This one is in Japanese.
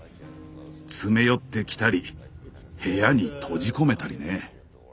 詰め寄ってきたり部屋に閉じ込めたりね。